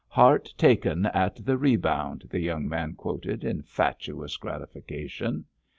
"Heart taken at the rebound," the young man quoted in fatuous gratification.